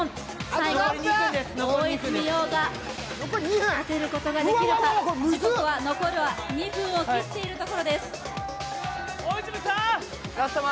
最後、大泉洋が立てることができるか、残るは２分を切っているところです